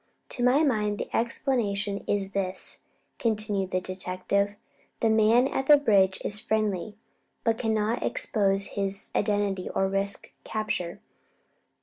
"To my mind, the explanation is this," continued the detective. "The man at the bridge is friendly, but cannot expose his identity or risk capture.